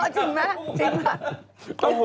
จริงไหมจริงค่ะ